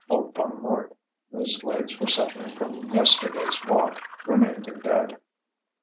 Old Bonnemort, whose legs were suffering from yesterday's walk, remained in bed.